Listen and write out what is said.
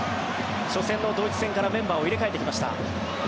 初戦のドイツ戦からメンバーを入れ替えてきました。